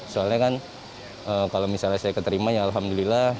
soalnya kan kalau misalnya saya keterima ya alhamdulillah